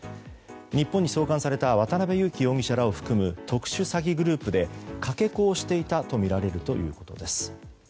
日本に送還された渡邉優樹容疑者らを含む特殊詐欺グループでかけ子をしていたとみられるということです。